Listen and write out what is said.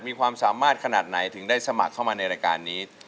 มีความสามารถขนาดไหนถึงได้สมัครเข้ามาในรายการนี้